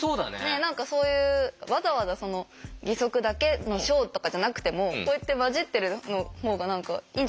何かそういうわざわざ義足だけのショーとかじゃなくてもこうやって交じってる方が何かいいんじゃないかな。